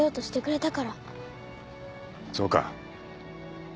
そうか。